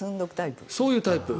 そういうタイプ。